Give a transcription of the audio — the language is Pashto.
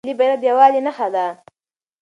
ملي بیرغ د یووالي نښه ده.